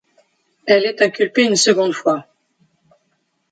Elle est inculpée une seconde fois.